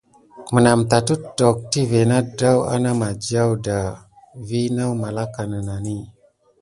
Menam tat éttokon tivé nawbate ana madiaw da vi naw malaka nənani.